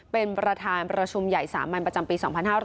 เป็นประธานประชุมใหญ่สามัญประจำปี๒๕๖๐